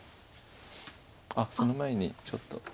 あっその前にちょっと。